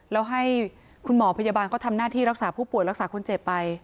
แล้วให้คุณหมอพยาบาลก็ทำหน้าที่รักษาผู้ป่วยรักษาคนเจ็บไป